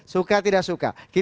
suka tidak suka kita lihat dulu